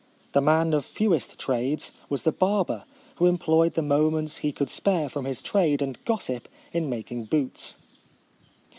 The man of fewest trades was the barber, who employed the moments he could spare from his trade and gossip in making boots.